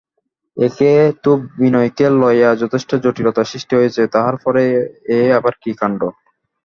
একে তো বিনয়কে লইয়া যথেষ্ট জটিলতার সৃষ্টি হইয়াছে তাহার পরে এ আবার কী কাণ্ড!